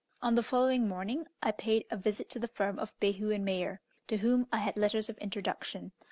On the following morning I paid a visit to the firm of Behu and Meyer, to whom I had letters of introduction.